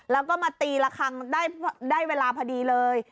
แล้วก็มาตีละครั้งได้เวลาพอดีเลย